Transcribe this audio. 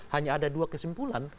hanya ada dua kesimpulan